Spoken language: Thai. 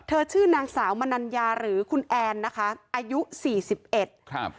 ชื่อนางสาวมนัญญาหรือคุณแอนนะคะอายุสี่สิบเอ็ดครับ